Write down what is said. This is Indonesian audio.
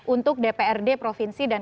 untuk dprd provinsi dan